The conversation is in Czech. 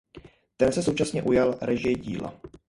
Ten se současně ujal režie díla.